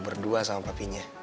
berdua sama papinya